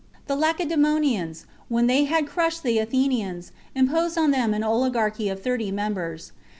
The Lace daemonians, when they had crushed the Athenians, imposed on them an oligarchy of thirty members.